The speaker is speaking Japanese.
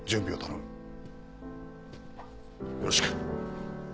よろしく。